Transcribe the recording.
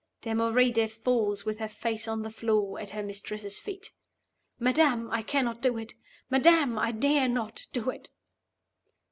(Damoride falls with her face on the floor at her mistress's feet.) 'Madam, I cannot do it! Madam, I dare not do it!